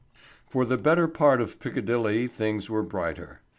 ] For the better part of Piccadilly things were brighter.